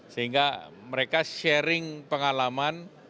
sehingga mereka sharing pengalaman